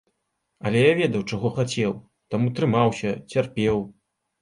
Але я ведаў, чаго хацеў, таму трымаўся, цярпеў.